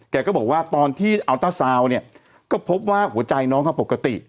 แกก็บอกว่าตอนที่อัลต้าซาวน์เนี่ยก็พบว่าหัวใจน้องเขาปกติ